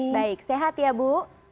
baik sehat ya bu